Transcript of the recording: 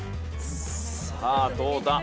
さあどうだ？